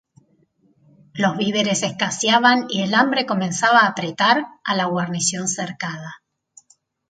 Los víveres escaseaban y el hambre comenzaba a apretar a la guarnición cercada.